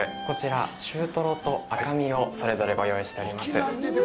こちら、中とろと赤身をそれぞれご用意しております。